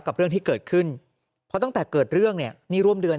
กับเรื่องที่เกิดขึ้นเพราะตั้งแต่เกิดเรื่องเนี่ยนี่ร่วมเดือน